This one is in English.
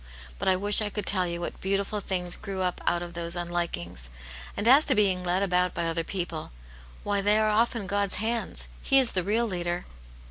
But I wish I could tell you what beautiful things grew up out of those unlikings. And as to being led about by other people ; why, they are often God's hands. He is the real leader."